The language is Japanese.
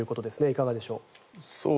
いかがでしょう。